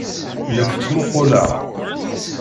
Nekk ttmuquleɣ.